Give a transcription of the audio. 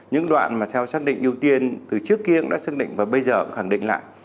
những đoạn mà theo xác định ưu tiên từ trước kia cũng đã xác định và bây giờ cũng khẳng định lại